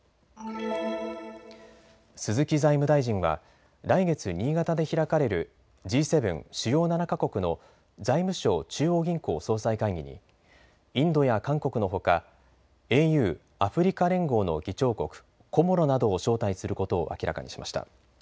鈴木財務大臣は来月、新潟で開かれるＧ７・主要７か国の財務相・中央銀行総裁会議にインドや韓国のほかＡＵ・アフリカ連合の議長国、コモロなどを招待することを明らかにしました。